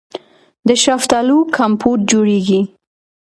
د شفتالو کمپوټ جوړیږي.